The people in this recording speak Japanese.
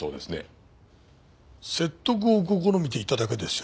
説得を試みていただけですよ。